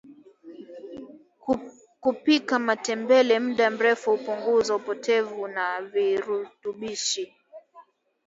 kupika matembele mda mrefu hupunguza upotevu wa virutubishi